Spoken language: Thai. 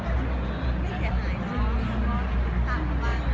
ไม่เห็นหายจริงเลย